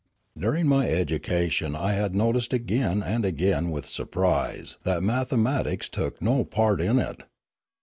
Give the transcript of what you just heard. During my education I had noticed again and again with surprise that mathematics took no part in it.